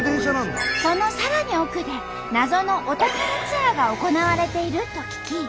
そのさらに奥で謎のお宝ツアーが行われていると聞き。